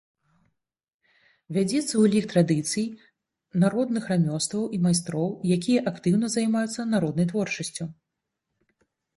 Вядзецца ўлік носьбітаў традыцый, народных рамёстваў і майстроў, якія актыўна займаюцца народнай творчасцю.